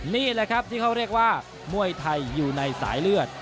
นี่แหละครับที่เขาเรียกว่ามวยไทยอยู่ในสายเลือด